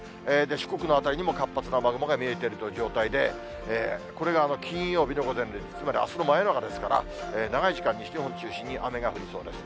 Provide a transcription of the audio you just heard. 四国の辺りにも、活発な雨雲が見えているような状態で、これが金曜日の午前０時、つまりあすの真夜中ですから、長い時間、西日本を中心に雨が降りそうです。